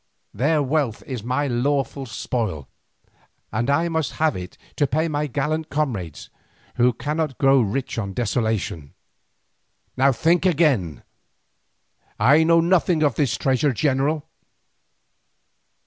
Their wealth is my lawful spoil, and I must have it to pay my gallant comrades who cannot grow rich on desolation. Think again." "I know nothing of this treasure, general."